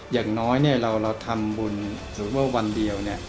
อย่างน้อยเนี่ยเราทำบุญถือว่าวันเดียว